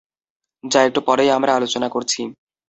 যা একটু পরেই আমরা আলোচনা করছি।